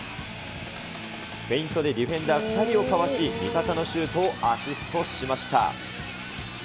フェイントでディフェンダー２人をかわし、味方のシュートをアシストしました。